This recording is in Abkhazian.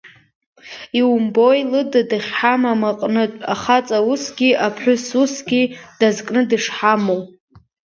Иумбои, лыда дахьҳамам аҟнытә, ахаҵа усгьы, аԥҳәыс усгьы дазкны дышҳамоу.